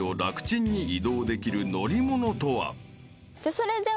それでは。